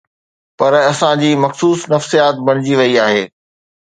پر اسان جي مخصوص نفسيات بڻجي وئي آهي.